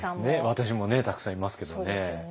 私もねたくさんいますけどね。